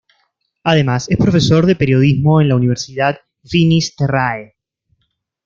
Además es profesor de periodismo en la Universidad Finis Terrae.